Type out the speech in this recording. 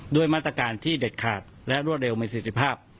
ด้วยมาตรการที่เด็ดขาดและรวดเร็วมีสิทธิภาพ